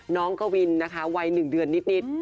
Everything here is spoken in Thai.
กวินนะคะวัย๑เดือนนิด